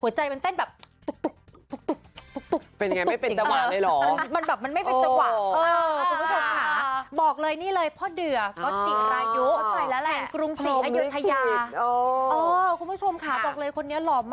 ใจมันเต้นแบบ